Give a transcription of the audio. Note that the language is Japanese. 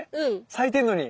咲いてるのに。